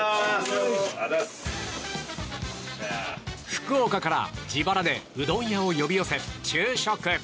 福岡から自腹でうどん屋を呼び寄せ、昼食。